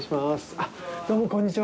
あっ、どうもこんにちは。